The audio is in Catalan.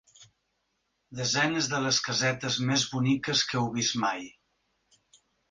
Desenes de les casetes més boniques que heu vist mai.